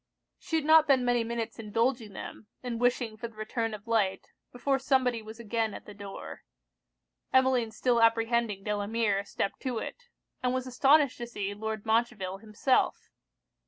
She had not been many minutes indulging them, and wishing for the return of light, before somebody was again at the door. Emmeline still apprehending Delamere, stepped to it; and was astonished to see Lord Montreville himself.